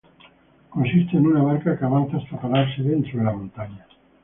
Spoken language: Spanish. Consiste en una barca que avanza hasta pararse dentro de la montaña.